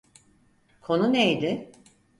Konu neydi?